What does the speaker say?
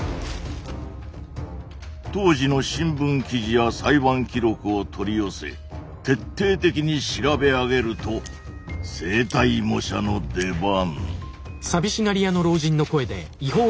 当時の新聞記事や裁判記録を取り寄せ徹底的に調べ上げると声帯模写の出番。